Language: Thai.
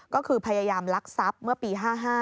ก็คือพยายามลักทรัพย์เมื่อปี๕๕